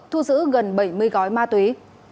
thu giữ gần bảy mươi gói ma túy